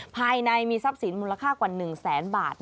ภายในมีทรัพย์สินมูลค่ากว่า๑แสนบาท